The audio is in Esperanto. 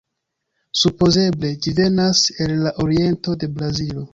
Supozeble ĝi venas el la oriento de Brazilo.